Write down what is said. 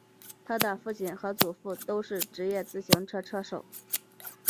他的父亲和祖父都是职业自行车车手。